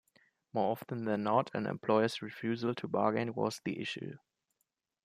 More often than not, an employer's refusal to bargain was the issue.